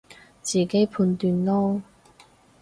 自己判斷囉